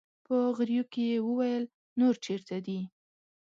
په غريو کې يې وويل: نور چېرته دي؟